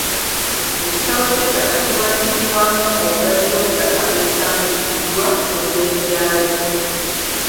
Ekitabo ky’ettaka kiwandiikibwamu obugazi bw’ettaka eripangisiddwa n’ebbeeyi yaalyo.